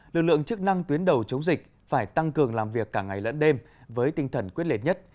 lực lượng chức năng tuyến đầu chống dịch phải tăng cường làm việc cả ngày lẫn đêm với tinh thần quyết liệt nhất